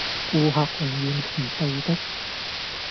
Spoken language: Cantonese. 顧客永遠是對的